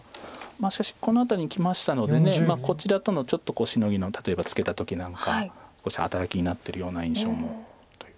しかしこの辺りにきましたのでこちらとのちょっとシノギの例えばツケた時なんか少し働きになってるような印象もという。